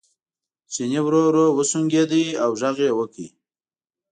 چیني ورو ورو وسونګېد او غږ یې وکړ.